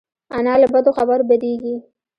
انا له بدو خبرو بدېږي